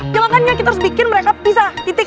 jangan jangan kita harus bikin mereka pisah titik